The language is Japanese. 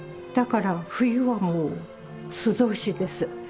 だから冬はもう素通しです。